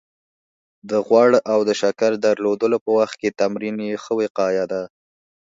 د غوړ او د شکر درلودلو په وخت کې تمرین يې ښه وقايه ده